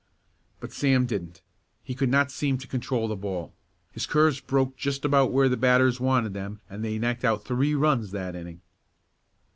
But Sam didn't. He could not seem to control the ball, his curves broke just about where the batters wanted them and they knocked out three runs that inning.